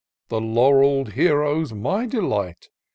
The laurell'd hero's my delight.